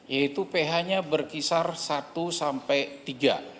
yaitu ph nya berkisar satu sampai tiga